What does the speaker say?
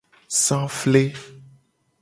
Safle.